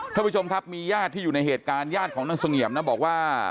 ท่านผู้ชมครับมีญาติที่อยู่ในเหตุการณ์ญาติของนางเสงี่ยมนะบอกว่า